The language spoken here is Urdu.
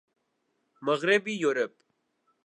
مغربی یورپ